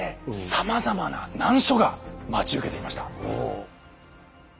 さまざまな難所が待ち受けていました。